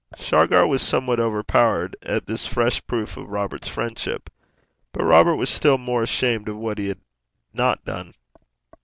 Shargar was somewhat overpowered at this fresh proof of Robert's friendship. But Robert was still more ashamed of what he had not done.